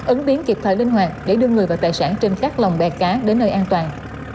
ứng biến kịp thời linh hoạt để đưa người và tài sản trên các lòng bè cá đến nơi an toàn